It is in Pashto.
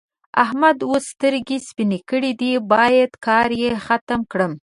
احمد اوس سترګې سپينې کړې دي؛ بايد کار يې ختم کړم.